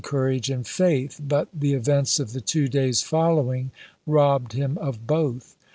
courage and faith, but the events of the two days following robbed him of both.